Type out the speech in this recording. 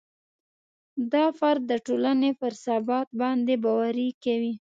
دا فرد د ټولنې پر ثبات باندې باوري کوي.